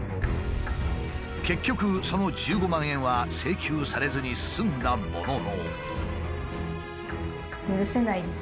結局その１５万円は請求されずに済んだものの。